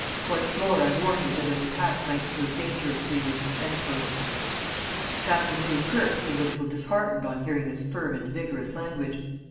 Once more I warn you that an attack might prove dangerous to you." Captain Louis Kirke seemed a little disheartened on hearing this firm and vigorous language.